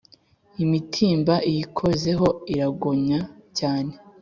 Imitimba iyikozeho iragonya cyane